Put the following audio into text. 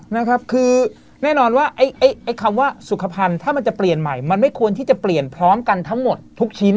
นะครับคือแน่นอนว่าไอ้คำว่าสุขภัณฑ์ถ้ามันจะเปลี่ยนใหม่มันไม่ควรที่จะเปลี่ยนพร้อมกันทั้งหมดทุกชิ้น